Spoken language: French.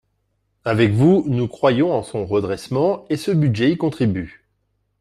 Avec vous, nous croyons en son redressement et ce budget y contribue